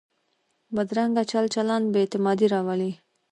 بدرنګه چل چلند بې اعتمادي راولي